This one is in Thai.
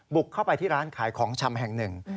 บุกเข้าไปที่ร้านขายของชำแห่งหนึ่ง